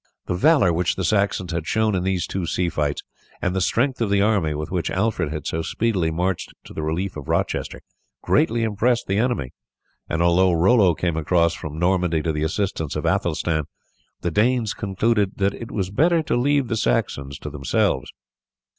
The valour which the Saxons had shown in these two sea fights, and the strength of the army with which Alfred had so speedily marched to the relief of Rochester, greatly impressed the enemy, and although Rollo came across from Normandy to the assistance of Athelstan, the Danes concluded that it was better to leave the Saxons to themselves.